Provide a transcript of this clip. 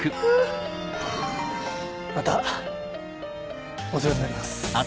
またお世話になります。